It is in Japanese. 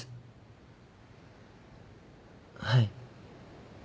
はい。